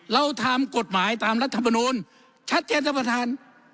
เราทำกฎหมายตามรัฐมนูลชัดเจนท่านประธาน